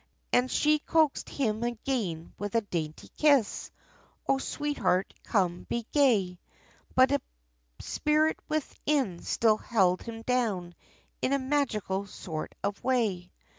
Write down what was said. And she coaxed him again, with a dainty kiss, "Oh, sweetheart, come, be gay!" But a spirit within, still held him down, In a magical sort of way.